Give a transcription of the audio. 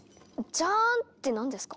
「ジャーン」って何ですか？